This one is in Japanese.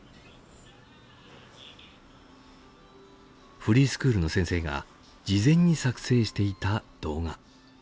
フリースクールの先生が事前に作成していた動画。